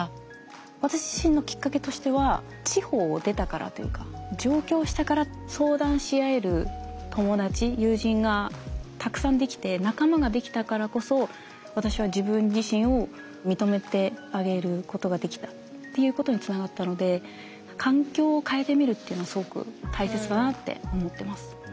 私自身のきっかけとしては地方を出たからというか上京したから相談し合える友達友人がたくさんできて仲間ができたからこそ私は自分自身を認めてあげることができたっていうことにつながったので環境を変えてみるっていうのはすごく大切だなって思ってます。